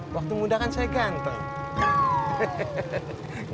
waktu muda kan saya ganteng